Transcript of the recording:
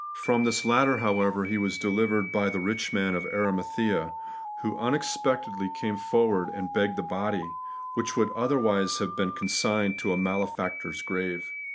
From this latter, however, He was delivered by the rich man of Arimathea, who unexpectedly came forward and begged the body, which would otherwise have been consigned to a malefactor's grave.